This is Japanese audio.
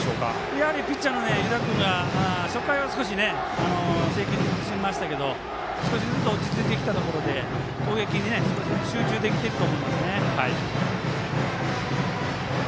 やはりピッチャーの湯田君が初回は少し制球に苦しみましたけど少しずつ落ち着いてきたところで攻撃に集中できていると思います。